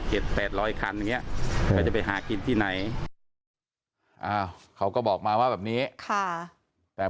เก็บ๘๐๐คันก็จะไปหากินที่ไหนเขาก็บอกมาว่าแบบนี้แต่